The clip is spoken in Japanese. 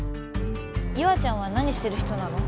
優愛ちゃんは何してる人なの？